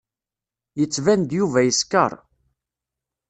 Yettban-d Yuba yeskeṛ.